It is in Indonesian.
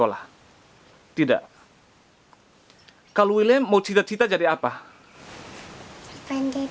arah carsy ditulisnya sebagai seorang cita cita yang mem task force indonesia